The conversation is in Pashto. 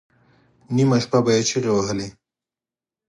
نیمه شپه به یې چیغې وهلې.